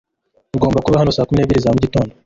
Ugomba kuba hano saa kumi n'ebyiri za mugitondo.